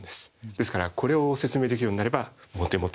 ですからこれを説明できるようになればモテモテ。